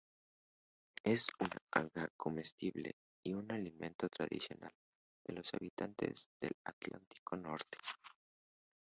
Es un alga comestible y un alimento tradicional de los habitantes del Atlántico norte.